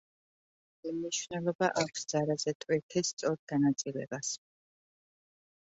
მნიშვნელობა აქვს ძარაზე ტვირთის სწორ განაწილებას.